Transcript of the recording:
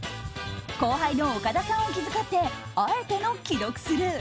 後輩の岡田さんを気遣ってあえての既読スルー。